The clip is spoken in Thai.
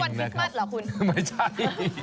นี่วันคลิกมัติเหรอคุณไม่ใช่